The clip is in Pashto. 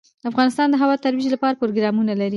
افغانستان د هوا د ترویج لپاره پروګرامونه لري.